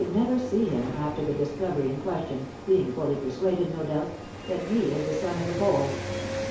] "He never would see him after the discovery in question, being fully persuaded, no doubt, that he is the son of the Pole."